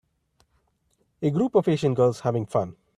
A group of Asian girls having fun.